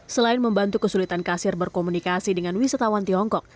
selain membantu kesulitan kasir berkomunikasi dengan wisatawan tiongkok